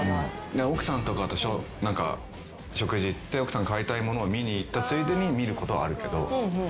奥さんとかと食事行って奥さんが買いたいものを見に行ったついでに見ることはあるけど。